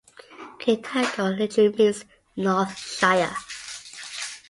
Kitago literally means "north shire".